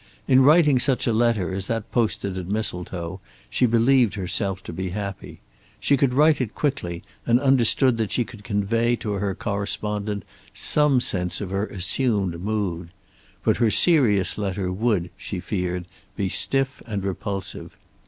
In writing such a letter as that posted at Mistletoe she believed herself to be happy. She could write it quickly, and understood that she could convey to her correspondent some sense of her assumed mood. But her serious letter would, she feared, be stiff and repulsive.